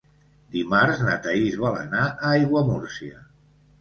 Dimarts na Thaís vol anar a Aiguamúrcia.